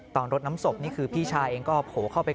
ตอนน้ำศพพี่ชายเองก็โผล่เข้าไป